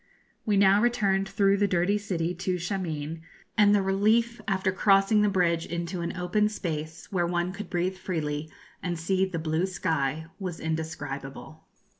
We now returned through the dirty city to Shameen, and the relief, after crossing the bridge into an open space where one could breathe freely and see the blue sky, was indescribable.